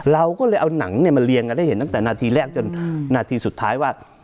เราก็เลยเอาหนังมาเรียงกันได้เห็นตั้งแต่นาทีแรกจนนาทีสุดท้ายว่า